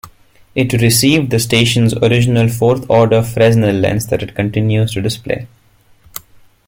It received the station's original fourth-order Fresnel lens that it continues to display.